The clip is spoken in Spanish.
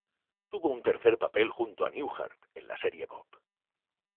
Tuvo un tercer papel junto a Newhart en la serie "Bob".